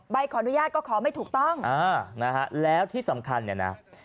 ใบขออนุญาตก็ขอไม่ถูกต้องอ่านะฮะแล้วที่สำคัญเนี่ยนะ